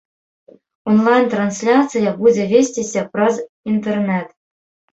Онлайн-трансляцыя будзе весціся праз інтэрнэт.